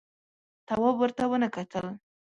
تواب ور ونه کتل.